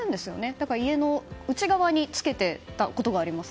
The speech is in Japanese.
だから家の内側に付けていたことがあります。